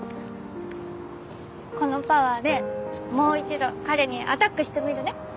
このパワーでもう１度彼にアタックしてみるね。